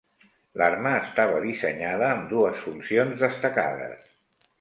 L'arma estava dissenyada amb dues funcions destacades.